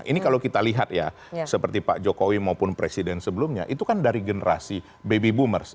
ini kalau kita lihat ya seperti pak jokowi maupun presiden sebelumnya itu kan dari generasi baby boomers